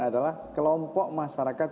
adalah kelompok masyarakat